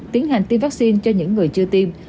tiến hành tiêm vaccine cho những người chưa tiêm